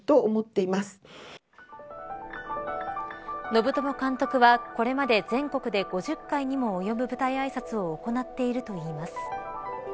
信友監督は、これまで全国で５０回にも及ぶ舞台あいさつを行っているといいます。